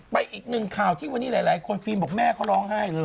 ไปอีกหนึ่งข่าวที่วันนี้หลายคนบอกแม่คือร้องไห้